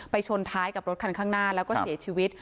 ชนท้ายกับรถคันข้างหน้าแล้วก็เสียชีวิต